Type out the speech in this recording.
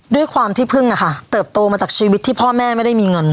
ด้วยความที่พึ่งอะค่ะเติบโตมาจากชีวิตที่พ่อแม่ไม่ได้มีเงิน